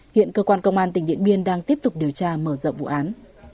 hiện cơ quan công an tỉnh điện biên đang tiếp tục điều tra mở rộng vụ án